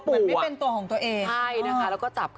มีช่วงนึงเนี่ยค่ะไฟดับ